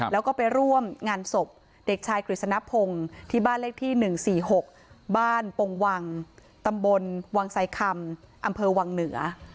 แล้วก็ไปร่วมงานศพเด็กชายกฤษณพงศ์ที่บ้านเลขที่๑๔๖บ้านปงวังตำบลวังไซคำอำเภอวังเหนือ